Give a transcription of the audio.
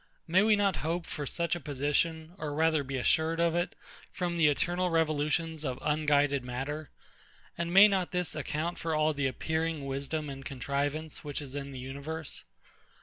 May we not hope for such a position, or rather be assured of it, from the eternal revolutions of unguided matter; and may not this account for all the appearing wisdom and contrivance which is in the universe?